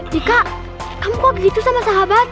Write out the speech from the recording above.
cika kamu kok begitu sama sahabat